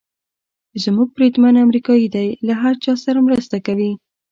زموږ بریدمن امریکایي دی، له هر چا سره مرسته کوي.